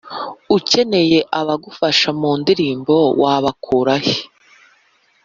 ukeneye abagufasha mu ndirimbo wabakurahe